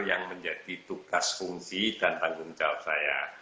yang menjadi tugas fungsi dan tanggung jawab saya